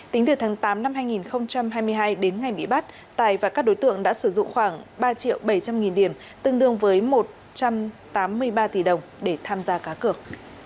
tính từ tháng tám năm hai nghìn hai mươi hai đến ngày bị bắt tài và các đối tượng đã sử dụng khoảng ba triệu bảy trăm linh nghìn điểm tương đương với một trăm tám mươi ba tỷ đồng để tham gia cá cược